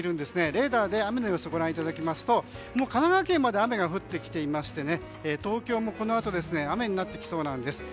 レーダーで雨の様子をご覧いただきますと神奈川県のほうまで雨が降ってきていまして東京もこのあと雨になってきそうなんです。